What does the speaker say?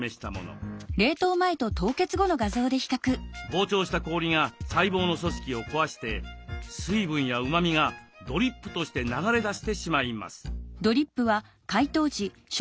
膨張した氷が細胞の組織を壊して水分やうまみがドリップとして流れ出してしまいます。